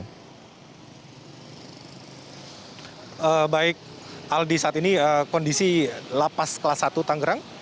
baik aldi saat ini kondisi lapas kelas satu tanggerang